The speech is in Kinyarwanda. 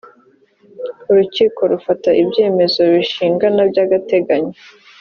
urukiko rufata ibyemezo bishingana by agateganyo